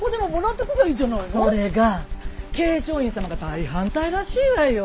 それが桂昌院様が大反対らしいわよ。